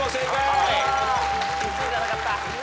あー１位じゃなかった。